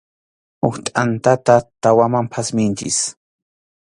Huk tʼantata tawaman phatmanchik.